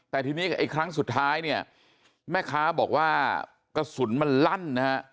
แต่ทีนี้ไอ้ครั้งสุดท้ายเนี่ยแม่ค้าบอกว่ากระสุนมันลั่นนะฮะ